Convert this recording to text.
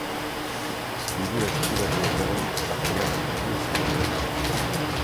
Dirua eskuratu ondoren, lapurrak ihes egin du.